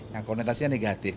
yang konektasinya negatif